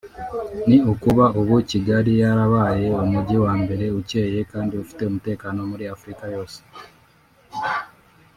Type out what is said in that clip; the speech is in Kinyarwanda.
ni ukuba ubu Kigali yarabaye « Umujyi wa mbere ucyeye kandi ufite umutekano muri Afurika yose